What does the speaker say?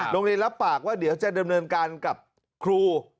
รับปากว่าเดี๋ยวจะดำเนินการกับครู